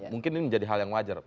mungkin ini menjadi hal yang wajar